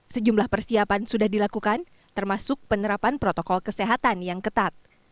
sejumlah persiapan sudah dilakukan termasuk penerapan protokol kesehatan yang ketat